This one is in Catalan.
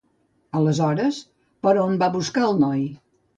Aleshores, per on va buscar el noi?